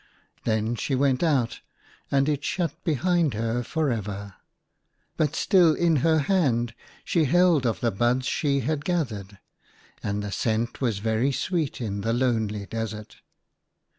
Then she went out, and it shut behind her for ever ; but still in her hand she held of the buds she had gathered, and the scent was very sweet in the lonely desert.